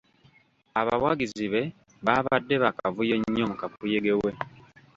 Abawagizi be baabadde baakavuyo nnyo mu kakuyege we.